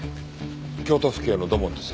京都府警の土門です。